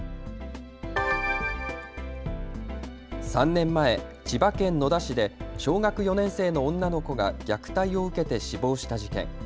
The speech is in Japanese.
３年前、千葉県野田市で小学４年生の女の子が虐待を受けて死亡した事件。